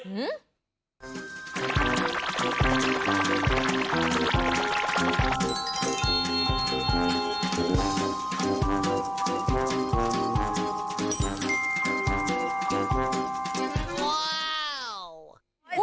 ว้าว